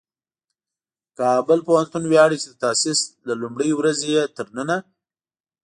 کابل پوهنتون ویاړي چې د تاسیس له لومړۍ ورځې یې تر ننه